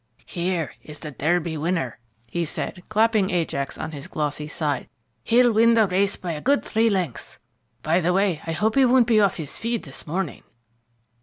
"Here's the Derby winner," he said, clapping Ajax on his glossy side. "He'll win the race by a good three lengths. By the way, I hope he won't be off his feed this morning."